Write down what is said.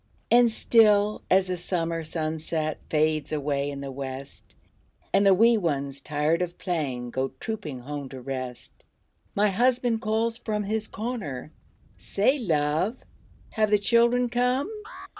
And still, as the summer sunset Fades away in the west, And the wee ones, tired of playing, Go trooping home to rest, My husband calls from his corner, "Say, love, have the children come?"